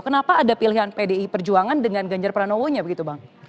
kenapa ada pilihan pdi perjuangan dengan ganjar pranowonya begitu bang